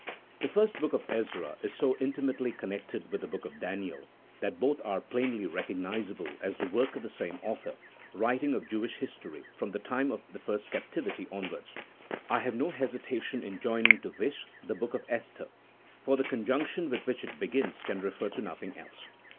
The first book of Ezra is so intimately connected with the book of Daniel that both are plainly recognizable as the work of the same author, writing of Jewish history from the time of the first captivity onwards. I have no hesita tion in joining to this the book of Esther, for the conjunc tion with which it begins can refer to nothing else.